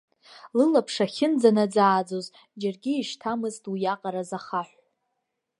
Лылаԥш ахьынӡанаӡааӡоз џьаргьы ишьҭамызт уи иаҟараз ахаҳә.